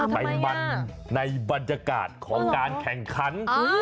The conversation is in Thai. ไปมันในบรรยากาศของการแข่งขัน